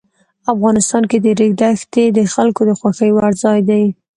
افغانستان کې د ریګ دښتې د خلکو د خوښې وړ ځای دی.